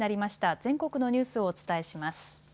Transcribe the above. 全国のニュースをお伝えします。